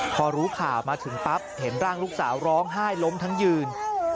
พอรู้ข่าวมาถึงปั๊บเห็นร่างลูกสาวร้องไห้ล้มทั้งยืน